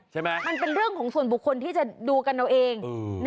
มันเป็นเรื่องของส่วนบุคคลที่จะดูกันเอาเอง